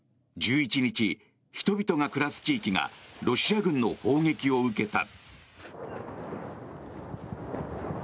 １１日、人々が暮らす地域がロシア軍の砲撃を受けた。